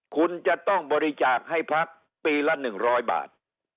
คุณจะต้องบริจาคให้พักปีละ๑๐๐บาท